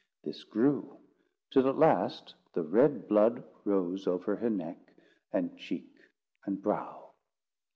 This grew; till at last the red blood rose over her neck, and cheek, and brow.